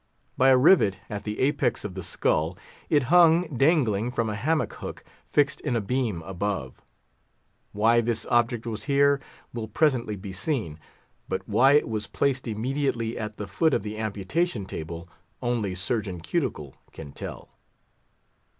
By a rivet at the apex of the skull, it hung dangling from a hammock hook fixed in a beam above. Why this object was here, will presently be seen; but why it was placed immediately at the foot of the amputation table, only Surgeon Cuticle can tell.